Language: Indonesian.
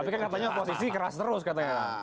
tapi kan katanya oposisi keras terus katanya